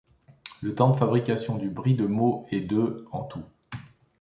Le temps de fabrication du brie de Meaux est de en tout.